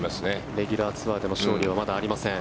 レギュラーツアーでの勝利はまだありません。